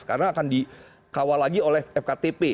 karena akan dikawal lagi oleh fktp